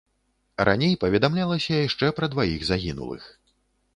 Раней паведамлялася яшчэ пра дваіх загінулых.